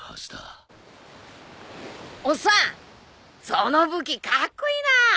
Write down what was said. その武器カッコイイなぁ。